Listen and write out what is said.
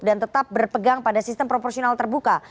tetap berpegang pada sistem proporsional terbuka